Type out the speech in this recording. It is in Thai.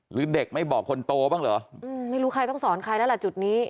หรือเด็กไม่บอกคนโตบ้างเหรออืมไม่รู้ใครต้องสอนใครแล้วล่ะจุดนี้